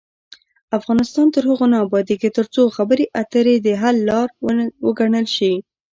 افغانستان تر هغو نه ابادیږي، ترڅو خبرې اترې د حل لار وګڼل شي.